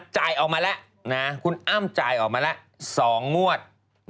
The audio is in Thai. จ่ายออกมาแล้วนะคุณอ้ำจ่ายออกมาแล้ว๒งวด